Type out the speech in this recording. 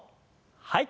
はい。